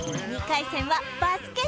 ２回戦はバスケ